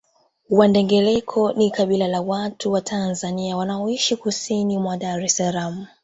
Wandengereko ni kabila la watu wa Tanzania wanaoishi kusini mwa Dar es Salaam